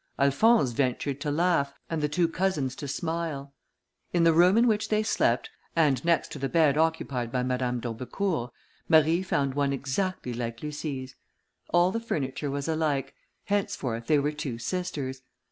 Alphonse ventured to laugh, and the two cousins to smile, In the room in which they slept, and next to the bed occupied by Madame d'Aubecourt, Marie found one exactly like Lucie's. All the furniture was alike; henceforth they were two sisters.